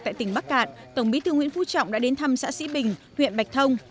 tại tỉnh bắc cạn tổng bí thư nguyễn phú trọng đã đến thăm xã sĩ bình huyện bạch thông